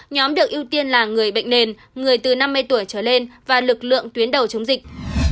nhóm được ưu tiên là người bệnh nền người từ năm mươi tuổi trở lên và lực lượng tuyến đầu chống dịch